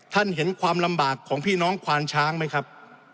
เห็นความลำบากของพี่น้องควานช้างไหมครับ